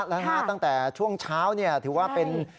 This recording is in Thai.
แล้วฮะตั้งแต่ช่วงเช้าถือว่าเป็น